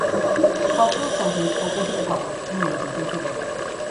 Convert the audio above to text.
The cultural center is open to the public and may be visited.